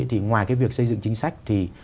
thì ngoài cái việc xây dựng chính sách thì